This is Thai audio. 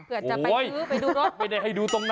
เพื่อจะไปซื้อไปดูรถไม่ได้ให้ดูตรงนั้น